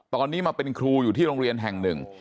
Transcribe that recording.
ตอนนี้มาเป็นครูอยู่ที่โรงเรียนแห่งหนึ่ง